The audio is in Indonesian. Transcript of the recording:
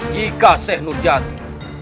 jika seh nurjati